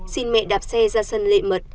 xin mẹ đạp xe ra sân lệ mật